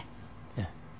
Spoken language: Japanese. ええ。